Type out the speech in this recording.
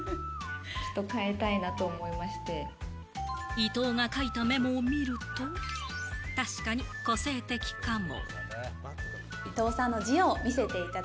伊藤が書いたメモを見ると確かに、個性的かも。